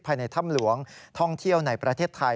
ภายในถ้ำหลวงท่องเที่ยวในประเทศไทย